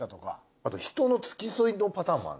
あと人の付き添いのパターンもある。